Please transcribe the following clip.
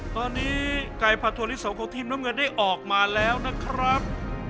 ตอนนี้ไก่ผัดถั่วลิสงของทีมน้ำเงินได้ออกมาแล้วนะครับ